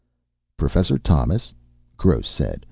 "Professor Thomas?" Gross said.